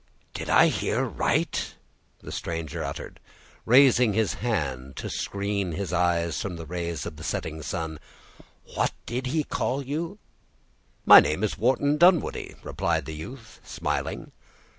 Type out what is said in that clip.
"Did I hear right?" the stranger uttered, raising his hand to screen his eyes from the rays of the setting sun. "What did he call you?" "My name is Wharton Dunwoodie," replied the youth, smiling.